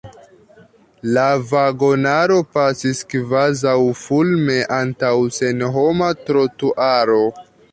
La vagonaro pasis kvazaŭfulme antaŭ senhoma trotuaro.